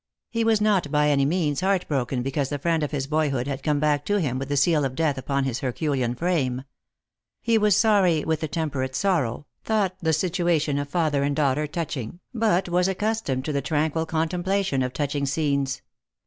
He was not by any means heartbroken because the friend of his boyhood had come back to him with the seal of death upon his herculean frame. He was sorry with a tempe rate sorrow, thought the situation of father and daughter touch ing, but was accustomed to the tranquil contemplation of touching scenes.